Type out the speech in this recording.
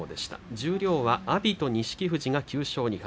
十両では阿炎と錦富士が９勝２敗。